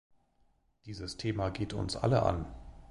Dieses Thema geht uns alle an.